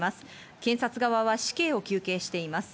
検察側は死刑を求刑しています。